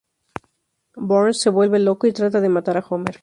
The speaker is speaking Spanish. Burns se vuelve loco y trata de matar a Homer.